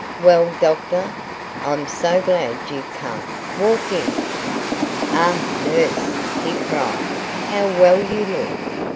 "Well, doctor, I'm so glad you've come; walk in." "Ah! nurse," he cried; "how well you look!"